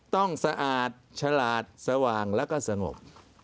สะอาดฉลาดสว่างแล้วก็สงบ